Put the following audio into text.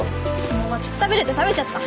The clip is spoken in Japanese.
もう待ちくたびれて食べちゃった。